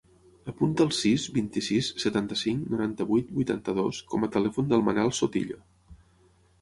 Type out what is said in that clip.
Apunta el sis, vint-i-sis, setanta-cinc, noranta-vuit, vuitanta-dos com a telèfon del Manel Sotillo.